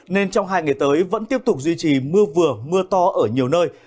nên trong hai ngày tới vẫn tiếp tục duy trì mưa vừa mưa to ở nhiều nơi